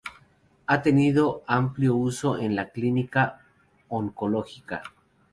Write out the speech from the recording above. Ha tenido amplio uso en la clínica oncológica.